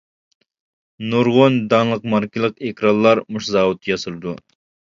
نۇرغۇن داڭلىق ماركىلىق ئېكرانلار مۇشۇ زاۋۇتتا ياسىلىدۇ.